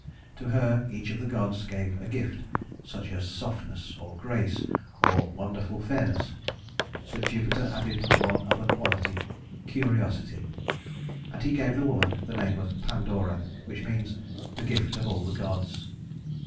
To her each of the gods gave a gift such as softness, or grace, or wonderful fairness; but Jupiter added one other quality, curiosity, and he gave the woman the name of Pandora, which means "the gift of all the gods."